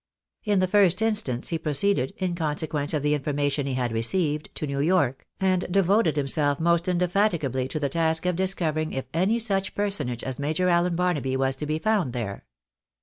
In the first instance he proceeded, in consequence of the in formation he had received, to New York, and devoted himself most indefatigably to the task of discovering if any such personage as Major Allen Barnaby was to be found there.